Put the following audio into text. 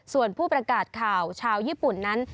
ส่วนผู้ประกาศข่าวชาวญี่ปุ่นนั้น